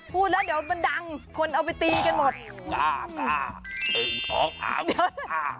พูดแล้วเดี๋ยวมันดังคนเอาไปตีกันหมด